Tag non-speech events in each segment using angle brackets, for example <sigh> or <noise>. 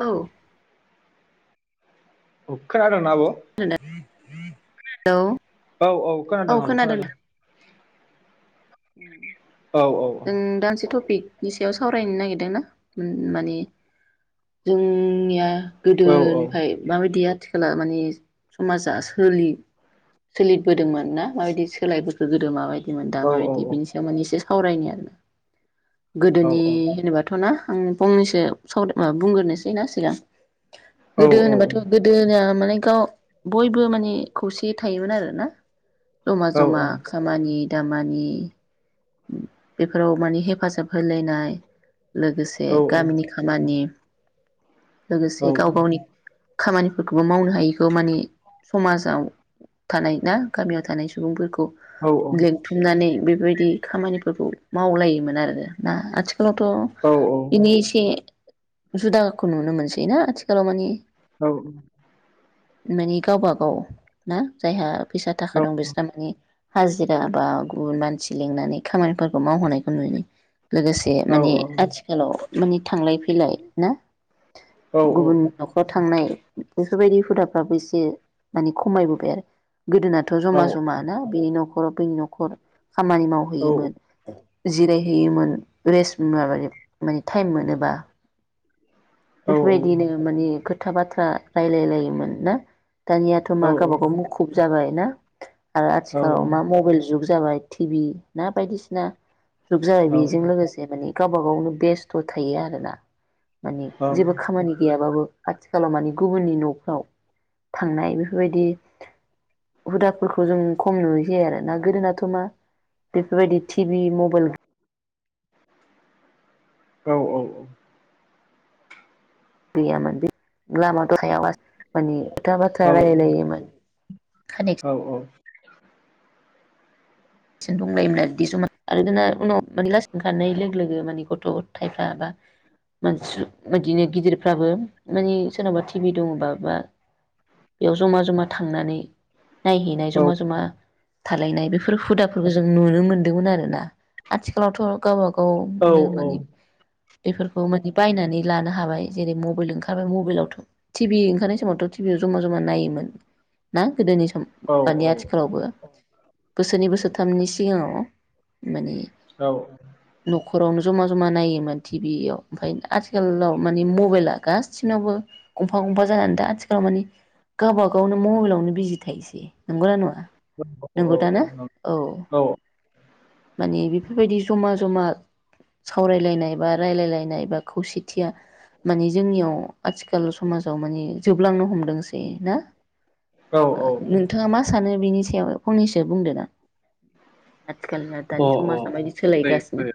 औ खोनादों ना आब' न <unintelligible> <inaudible> हेलौ औ औ खोनादों आब' खोनादों उम औ औ जों दा मोनसे थपिक नि सायाव सावरायनो नागिरदोंना उम माने जोंनिया औ गोदोनिफ्राय माबायदिया आथिखला माने समाजा सोलि-सोलिबोदोंमोन ना माबायदि सोलायबोखो गोदो माबाय दिमोन दा औ माबायदि बिनि सायाव माने इसे सावरायनो <inaudible> औ गोदोनि होनोबाथ' ना आं फंनैसो बुंग्रोनोसैना सिगां औ गोदो होनोबाथ' गोदो होना माने गाव बयबो माने खौसेयै थायोमोन आरो ना जमा औ जमा खामानि दामानि बेफोराव मानि हेफाजाब होलायनाय लोगोसे गामिनि खामानि लोगोसे गाव गावनि खामानिफोरखौबो मावनो हायिखौ माने समाजाव थानाय ना गामियाव थानाय सुबुंफोरखौ लिंथुमनानै बेब बेबायदि खामानिफोरखौ मावलायोमोन आरोना आथि जोंनाथ' बिनि एसे जुदाखौ नुनो मोनसैना आथिखालाव माने औ अ मानि गावबा गाव ना जायहा फैसा थाखा दं बिस्रा माने हाजिरा बा गुबुन मानसि लिंनानै खामानिफोरख खौ मावहोनायखौ नुयो। लोगोसे माने आथिखालाव माने थांलाय फैलाय ना? औ गुबुननि न'खराव थांनाय बेफोर बायदि हुदाफ्राबो एसे माने खमायबोबाय आरो गोदोनाथ' औ ज'मा अ ज'मा ना बेनि न'ख खर' बै न'खर खामानि अ मावहैयोमोन। जिरायहैयोमोन रेस्ट माबायो माने टाइम मोनोबा। बेफोर बायदिनो माने खोथ था बाथ्रा रायलायलायोमोन ना? दानियाथ' मा गावबा गाव मुखुब जाबायना? आरो आथिखालाव मा मबेल जुग जाबाय। टिभि ना बायदिसिना। जुग जाबाय बेजों लोगोसे माने गावबा गावनो बेस्थ' थायो आरोना माने जेबो खामानि गैयाबाबो आथिखालाव माने गुबुननि न'फ्राव थांनाय बेफोर बायदि हुदाफोरखौ जों खम नुहैसै आरोना गोदोनाथ' मा बेफोर बायदि थि टिभि, मबेल औ औ अ गैयामोन बे लामा दथायाव मास माने था बाथ्रा रायलायलायोमोन खानाय सो दंलायोमोन आरो बिदि जमा आरो जोंना उनाव माने लासै खानाय लोगो लोगो माने गथ' गथायफ्रा बा मानस सु बिदिनो गिदिरफ्राबो माने सोरनावबा टिभि दङबा बा बेयाव जमा जमा थांनानै नायहैनाय जमा जमा। थालायनाय बेफोर हुदा जों नुनो मोनदोंमोन आरोना आथिखालावथ' गाव गाव औ बिदिनो माने। बेफोरखौ मानि बायनानै लानो हाबाय जेरै मबेल ओंखारबाय मबेलावथ' टिभि ओंखारनाय समावथ' टिभियाव जमा जमा नायोमोन ना गोदोनि स औ औ बोसोरनि बोसोर थामनि सिगांङाव माने औ न'खरावनो जमा जमा नायोमोन टिभियाव ओमफ्राय आथिखालाव माने मबाइला गासिनावबो गंफा गंफा जानानै दा आथिखालाव माने गावबा गावनो मबाइलावनो बिजि थायोसै नंगौना नंङा <inaudible> औ माने बेफोरबायदि जमा जमा सावरायलायनाय बा रायलायलायनाय बा खौसे थिया माने जोंनियाव आथिखाल समाजाव माने जोबलांनो हमदोंसै ना ओ नोंथाङा मा सानो बिनि सायाव फंनैसो बुंदोना <unintelligible> अह समाजा अह <unintelligible> माबायदि सोलायगासिनो थ'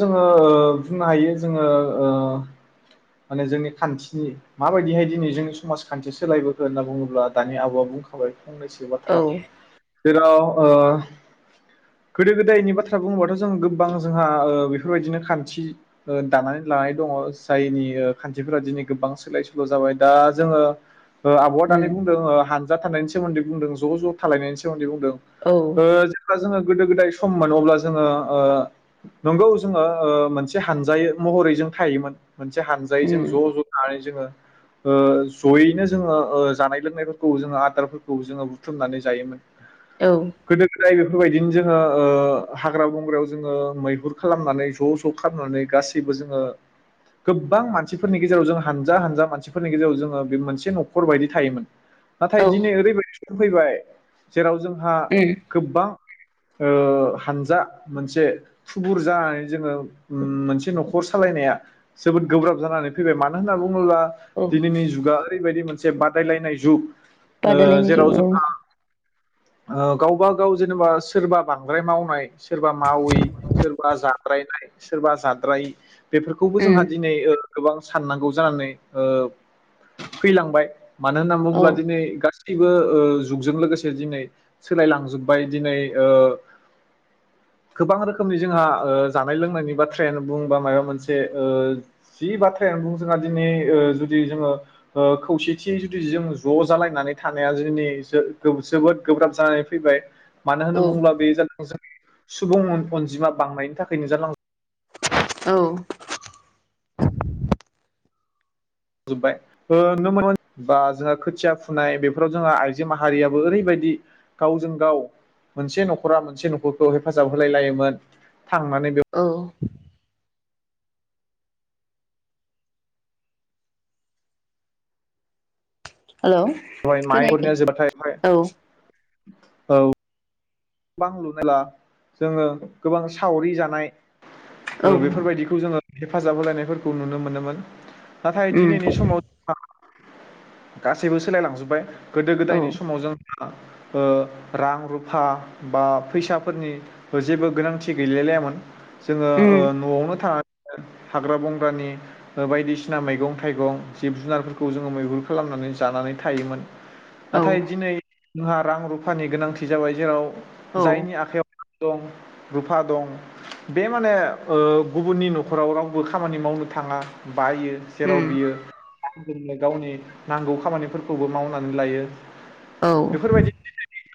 जोंङो ओ बुंनो हायो जोंङो ओ माने जोंनि खान्थिनि माबायदिहाय दिनै जोंनि समाज खान्थि सोलायबोखो होनना बुंङोब्ला दानि आब'आ बुंखाबाय फंनैसो बाथ्रा औ जेराव ओ गोदो गोदायनि बाथ्रा बुङोबाथ जों गोब्बां जोंहा ओ बेफोरबायदिनो खान्थि ओ दानानै लानाय दनङ जायनि ओ खान्थिफोरा दिनै गोबां सोलाय सोल' जाबाय दा जोंङो ओ आबआ उम दानि बुंदों ओ हान दा थानायनि सोमोन्दै बुंदों ज ज थालायनायनि सोमोन्दै बुं औ ओ जेब्ला जोंङो गोदो गोदाय सममोन अब्ला जोंङो ओ नंगौ जोंङो ओ मोनसे हानजायै महरै जों थायोमोन मोनस से हान्जायै जों ज उम ज जोंङो ओ जयैनो जोंङो ओ जानाय लोंनायफोरखौ जोंङो आदारफोरखौ जोंङो बुथुमनानै जायोमोन औ गोदो गोदायो बेफोरबायदिनो जोंङो ओ हाग्रा बंग्रायाव जोंङो मैहुर खालामनानै ज ज खालामनानै गासैबो जोंङो गोब्बां मानसिफोरनि गेजेराव जोंङो हानजा हानजा मानसिफोरनि गेजेराव जोंङो बे मोनसे नखर बायदि थायोमोन नाथाय औ दिनै ओरैबायस फैबाय जेराव जों हा उम गोब्बां ओ हानजा मोनसे थुबुर जानानै जोंङो उम मोनसे न'खर सालायनाया जोबोद गोब्राब जानानै फैबाय मानो होनना बुंङोब्ला औ दिनैनि जुगा ओरैबायदि मोन जे बादायलायनाय जुग ओ बादायलायनाय जेराव जुग औ। जोंहा ओ गावबा गाव जेनेबा सोरबा बांद्राय मावनाय सोरबा मावि सोरबा जाद्रायनाय सोरबा जाद्रायि बेफोरखौबो उम जोंहा दिनै ओ गोबां साननांगौ जानानै ओ फैलांबाय। मानो होनना औ बुङोब्ला दिनै गास सैबो ओ जुगजों लोगोसे दिनै सोलायलांजोबबाय दिनै ओ गोबां रोखोमनि जोंहा ओ जानाय लोंनायनि बाथ्रायानो बुं बा मायबा मोनसे ओ जि बाथ्रायानो बुं जोंहा दिनै ओ जुदि जोङो ओ खौसेथियै जुदि जों ज' जालायनानै थानाया जोंनि जो-जोबोद गोब्राब जानानै फैबाय। मानो होनना औ बुङोब्ला बे <unintelligible> सुबुं अनजिमा बांनायनि थाखायनो जालां औ। जोबबाय नुनो <unintelligible> बा जोंहा खोथिया फुनाय बेफोराव जोंहा आइजो माहारियाबो ओरैबायदि गावजों गाव मोनसे न'खरा मोनसे न'खरखौ हेफाजाब होलाय लायोमोन। थांनानै बेयाव औ हेलौ बेहाय माइ खोनायाखै हरनाया जोबबाथाय औ <unintelligible> औ। गोबां लुनोब्ला जोङो गोबां सावरि जानाय ओ औ बेफोरबायदिखौ जोङो हेफाजाब होलायनायफोरखौ नुनो मोनोमोन। नाथाय उम दिनैनि समाव गासैबो सोलायलांजोबबाय। गोदो औ गोदायनि समाव जों ओ रां रुफा बा फैसाफोरनि जेबो गोनांथि गैलाय लायामोन जोङो ओ उम न'आवनो थानानै हाग्रा बंग्रानि ओ बायदिसिना मैगं थाइगं जिब जुनारफोरखौ जोङो मैहुर खालामनानै जानानै थायोमोन। औ नाथाय दिनै जोंहा रां रुफानि गोनांथि जाबाय जेराव औ जायनि आख दं रुफा दं बे माने ओ गुबुननि न'खराव रावबो खामानि मावनो थाङा। बायो जेराव उम बियो गावनि नांगौ खामानिफोरखौबो मावनानै लायो। औ बेफोरबायदि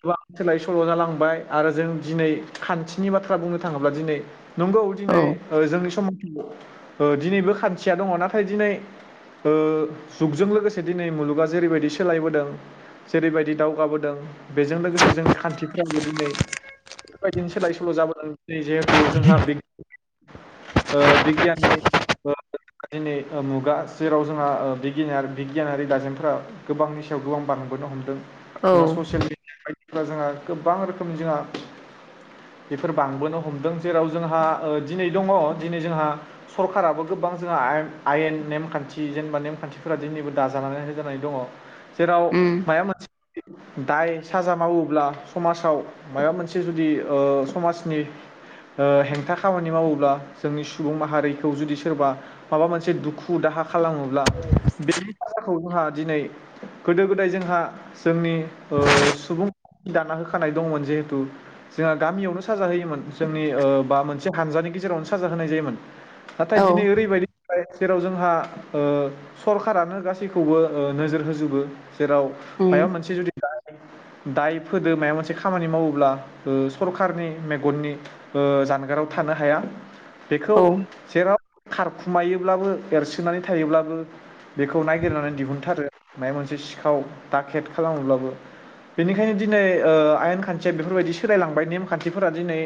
एबा सोलाय सोल' जालां बाय आरो जों दिनै खान्थिनि बाथ्रा बुंनो थाङोब्ला दिनै नंगौ दिनै औ ओ जोंनि समा ओ दिनैबो खान्थिया दङ'। नाथाय दिनै ओ जुगजों लोगोसे दिनै मुलुगा जेरैबायदि सोलायबोदों जेरैबायदि दावगाबोदों बेजों लोगोसे जोंनि खान्थि दिनै बेबायदिनो सोलाय सोल' जाबोदों। दिनै जिहेथु जोंहा ओ बिगियाननि ओ दिनै मुगा जेराव जोंहा ओ बिगिनियार बिगियानारि दाजेमफोरा गोबांनि सायाव गोबां बांबोनो हमदों। औ गोजा गोबां रोखोम जोंहा बेफोर बांबोनो हमदों जेराव जोंहा ओ दिनै दङ दिनै जोंहा सरखाराराबो गोबां जोंहा आयेन नेमखान्थि जेनेबा नेमखान्थिफोरा दिनैबो दाजानानै होजानाय दङ जेराव उम माया मोनसे दाय साजा मावोब्ला समाजाव माबा मोनसे जुदि समाजनि हेंथा खामानि मावोब्ला जोंनि सुबुं माहारिखौ जुदि सोरबा माबा मोनसे दुखु दाहा खालामोब्ला बेनि थाखाय जोंहा दिनै गोदो गोदाय जोंहा जोंनि सुबुं दाना होखानाय दंमोन जिहेथु जोंहा गामियावनो साजा होयोमोन जोंनि बा मोनसे हानजानि गेजेरावनो साजा होनाय जायोमोन नाथाय औ दिनै ओरैबायदि जेराव जोंहा सरखारानो गासैखौबो नोजोर होजोबो जेराव उम औ उम मायब मोनसे जुदि दाय फोदो मायबा मोनसे खामानि मावोब्ला सरखारनि मेगननि जानगाराव थानो हाया बेखौ जेराव खारखुमायोब्लाबो एरसोनानै थायोब्लाबो बेखौ नायगिरनानै दिहुनथारो मायबा मोनसे सिखाव दाखेद खालामोब्लाबो बेनिखायनो दिनै आयेन खान्थिया बेफोरबायदि सोलायलांबाय नेम खान्थिफोरा दिनै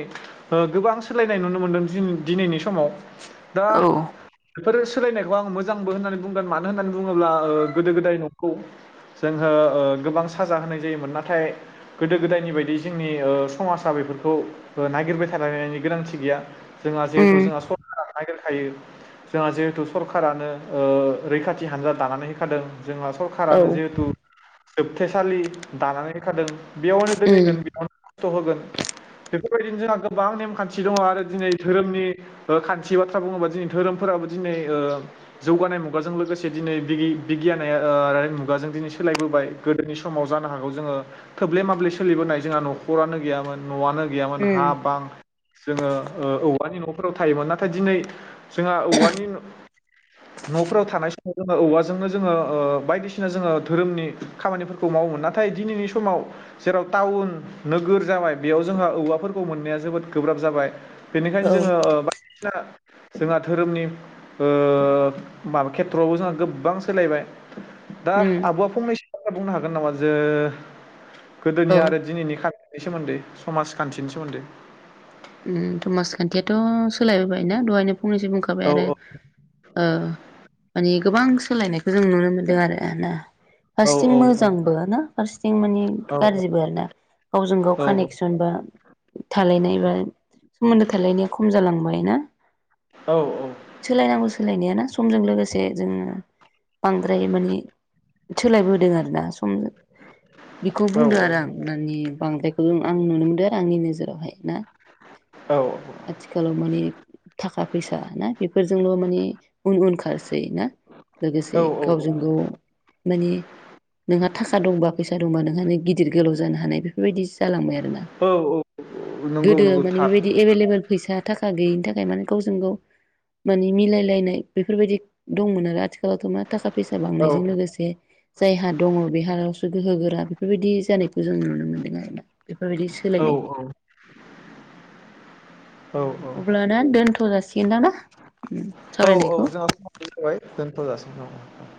गोबां सोलायनाय नुनो मोनदों दिनैनि सम समाव दा औ उम बेफोर सोलायनायखौ आं मोजांबो होननानै बुंगोन मानो होननानै बुंङोब्ला गोदो गोदाय नंखौ जोंङो गोबां साजा होनाय जायोमोन नाथाय गोदो गोदायनि बायदि जोंनि समाजा बेफोरखौ नागिरबाय थालायनायनि गोनांथि गैया जोंहा जिहेथु जोंहा सरखारा नागिरो खायो जोंहा जिहेथु सरखारानो रैखाथि हान्जा दानानै होखादों जोंहा सरखारानो जिहेथु जोबथेसालि दानानै दोनखादों बेयावनो दोनैगोन उम बिथां खस्थ होगोन बेफोरबायदिनो जोंहा गोबां नेमखान्थि दंङ आरो दिनै धोरोमनि खान्थि बाथ्रा बुंङोबा दिनै धोरोमफोराबो दिनै जौगानाय मुगाजों लोगोसे दिनै बिगियानारि मुगाजों दिनै सोलायबोबाय गोदोनि समाव जानो हागौ जोंङो थोब्ले माब्ले सोलिबोनाय जोंहा नखरानो गैयामोन नआनो गैयामोन हा बां जोङो औवानि न फोराव थायोमोन नाथाय दिनै जोंहा औवानि नफोराव थानाय समाव जोंङो औवाजोंनो जोंङो बायदिसिना जोंङो धोरोमनि खामानिफोरखौ मावोमोन नाथाय दिनैनि समाव जेराव टाउन नोगोर जाबाय बेयाव जोंहा औवाफोरखौ मोननाया जोबोद गोब्राब जाबाय बेनिखायनो औ जोङो बायदिसिना जोंहा धोरोमनि ओ माबा खेथ्रआवबो जोंहा गोबां सोलायबाय दा उम आबआ फंनैसो बुंनो हागोन नामा जे गोदोनि औ आरो दिनैनि <unintelligible> नि सोमोन्दै समाजखान्थिनि सोमोन्दै उम समाजखान्थियाथ सोलायबोबायना दहायनो फंनैसो बुंखाबाय औ आरो ओ माने गोबां सोलायनायखौ जों नुनो मोनदों आरो ना। औ फारसेथिं औ मोजांबो ना फारसेथिं माने गाज्रिबो आरो ना गावजों गाव औ कानेकसन बो। थालायनाय बा सोमोन्दो थालायनाया खम जालांबाय ना? औ सोलायनांगौस सोलायनायाना समजों लोगोसे जोङो बांद्राय माने सोलायबोदों आरो ना समजों बेखौ औ बुंदो आरो आं माने। बांद्रायखौल' आं नुनो मोनदों आरो आंनि नोजोरावहाय ना। औ आथिखालाव माने थाखा फैसा ना बेफोरजोंल' माने उन - उन खारसै ना लोगोसे औ औ गावजों औ गाव माने नोंहा थाखा दंबा फैसा दंबा नोंहा गि गिदिर गोलाव जानो हानाय बेफोरबायदिस जालांबाय आरो ना? औ नंगौ गोदो नंगौ माने थार बेबायदि एभेलेबेल फैसा थाखा गैयिनि थाखाय माने गावजों गाव माने मिलायलायनाय बेफोरबायदि दंमोन आरो आथि एबारथ' मा थाखा फैसा औ बांनायजों लोगोसे जायहा दङ बेहाल'सो गोहो गोरा बेफोरबायदि जानाय जों नुनो मोनदों आरो ना। बेफोरबायदि औ सोलायनाय। अ औ अब्ला दा दोन थ' जासिगोन दां ना? औ - औ सावरायनायखौ जोंहा सम जाबाय दोन थ' जासिगोन नामा?